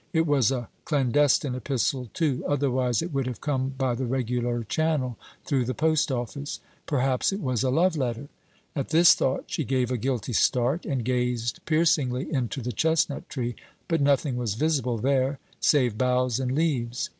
It was a clandestine epistle, too, otherwise it would have come by the regular channel through the post office. Perhaps it was a love letter. At this thought she gave a guilty start and gazed piercingly into the chestnut tree, but nothing was visible there save boughs and leaves.